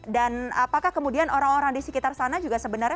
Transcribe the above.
apakah kemudian orang orang di sekitar sana juga sebenarnya